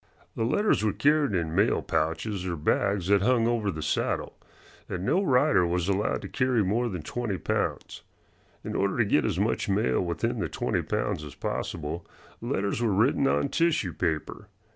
The letters were carried in mail pouches or bags that hung over the saddle, and no rider was allowed to carry more than twenty pounds. In order to get as much mail within the twenty pounds as possible letters were written on tissue paper.